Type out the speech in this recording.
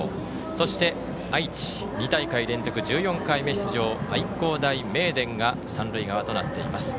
そして、愛知、２大会連続１４回目出場の愛工大名電が三塁側となっています。